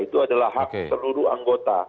itu adalah hak seluruh anggota